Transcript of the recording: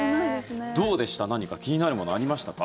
どうでした何か気になるものありましたか？